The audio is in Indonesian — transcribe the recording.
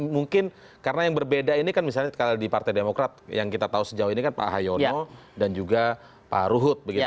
mungkin karena yang berbeda ini kan misalnya kalau di partai demokrat yang kita tahu sejauh ini kan pak hayono dan juga pak ruhut